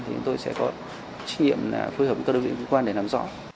thì tôi sẽ có trách nhiệm là phối hợp với các đơn vị liên quan để làm rõ